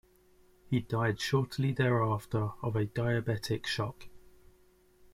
He died shortly thereafter of a diabetic shock.